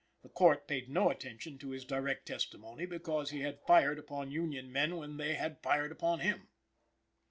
The Court paid no attention to his direct testimony because he had fired upon Union men when they had fired upon him.